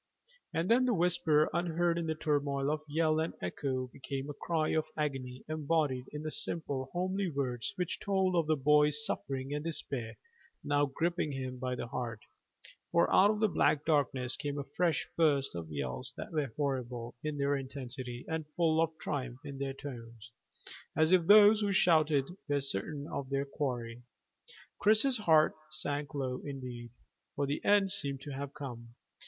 And then the whisper, unheard in the turmoil of yell and echo, became a cry of agony embodied in the simple homely words which told of the boy's suffering and the despair now gripping him by the heart, for out of the black darkness came a fresh burst of yells that were horrible in their intensity, and full of triumph in their tones, as if those who shouted were certain of their quarry. Chris's heart sank low indeed, for the end seemed to have come.